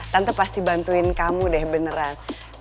tante pasti bantuin kamu deh beneran